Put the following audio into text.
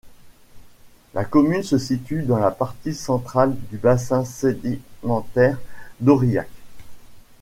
La commune se situe dans la partie centrale du bassin sédimentaire d’Aurillac.